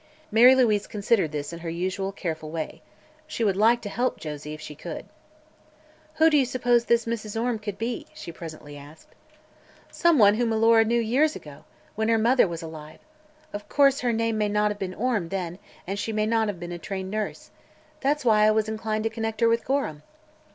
Mary Louise considered this in her usual careful way. She would like to help Josie, if she could. "Who do you suppose this Mrs. Orme could be?" she presently asked. "Some one whom Alora knew years ago, when her mother was alive. Of course her name may not have been Orme, then, and she may not have been a trained nurse. That's why I was inclined to connect her with Gorham."